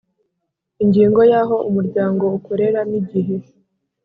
Ingingo ya aho umuryango ukorera n igihe